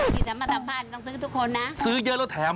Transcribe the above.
ที่สัมมาตรภัณฑ์ต้องซื้อทุกคนนะครับใช่ไหมครับแต่ว่า